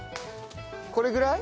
これぐらい？